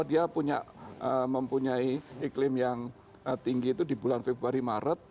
dia mempunyai iklim yang tinggi itu di bulan februari maret